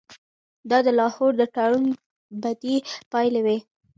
دا د لاهور د تړون بدې پایلې وې.